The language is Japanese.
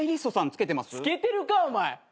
つけてるかお前！